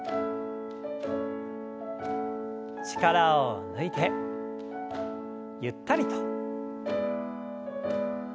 力を抜いてゆったりと。